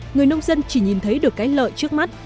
người nông dân chỉ nhìn thấy được cái lợi trước mắt